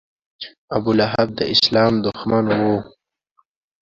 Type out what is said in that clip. ابولهب د اسلام دښمن و.